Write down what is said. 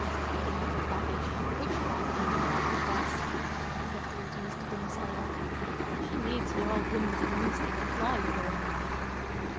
"The little baggage hath witchcraft in her, I profess," said he to Mr. Dimmesdale. "She needs no old woman's broomstick to fly withal!"